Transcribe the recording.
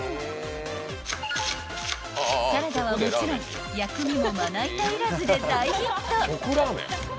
［サラダはもちろん薬味もまな板いらずで大ヒット］